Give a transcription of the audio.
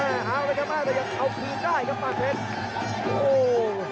เอาไว้ก่อนมาแต่ยังเอาคืนได้ครับมาเพชร